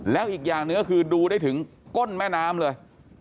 แล้วอีกอย่างหนึ่งก็คือดูได้ถึงก้นแม่น้ำเลย